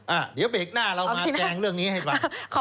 อ่ะเดี๋ยวเบรกหน้าเรามาแจงเรื่องนี้ให้ฟัง